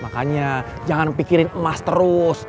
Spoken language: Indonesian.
makanya jangan pikirin emas terus